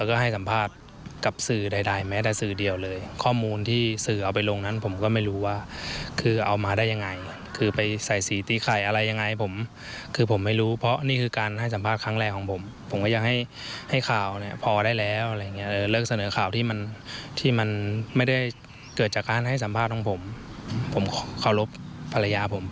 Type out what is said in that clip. ในสัมภาษณ์ของผมผมขอเคารพภรรยาผมเพราะเขาเป็นแม่ของลูกของผม